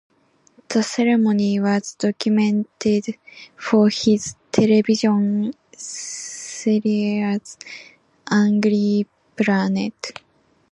The ceremony was documented for his television series "Angry Planet".